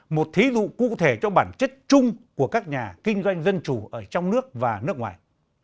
một thí dụ cụ thể cho bản chất chung của các nhà kinh doanh dân chủ ở trong nước và nước ngoài